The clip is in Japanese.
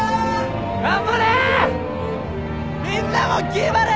頑張れ！